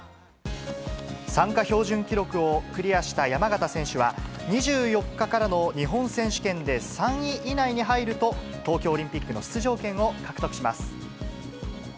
参加標準記録をクリアした山縣選手は、２４日からの日本選手権で３位以内に入ると、東京オリンピックの出場権を獲得します。